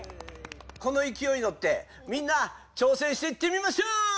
このいきおいにのってみんな挑戦していってみましょう！